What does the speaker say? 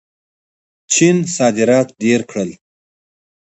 چین صادرات ډېر کړل.